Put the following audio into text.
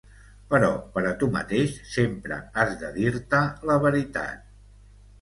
Però per a tu mateix sempre has de dir-te la veritat.